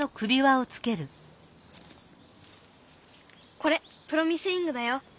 これプロミスリングだよ。